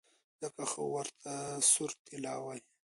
ځکه خو ورته سور طلا وايي.